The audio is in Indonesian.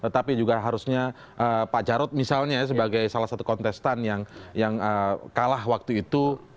tapi juga harusnya pak jarod misalnya sebagai salah satu kontestan yang kalah waktu itu